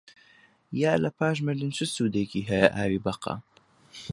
یا لە پاش مردن چ سوودێکی هەیە ئاوی بەقا؟